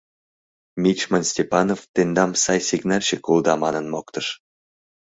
— Мичман Степанов тендам сай сигнальщик улыда манын моктыш.